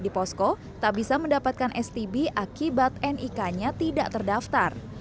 di posko tak bisa mendapatkan stb akibat nik nya tidak terdaftar